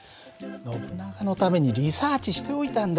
ノブナガのためにリサーチしておいたんだよ。